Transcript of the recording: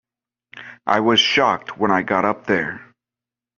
I was shocked when I got up there.